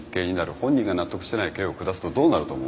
本人が納得してない刑を下すとどうなると思う？